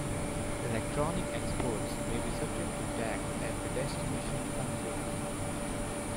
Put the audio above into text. Electronic exports may be subject to tax at the destination country.